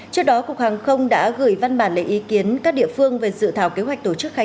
trước đó cục hàng không đã gửi văn bản lấy ý kiến các địa phương về dự thảo kế hoạch tổ chức khai